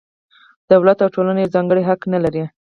دولت او ټولنه یو ځانګړی حق نه لري.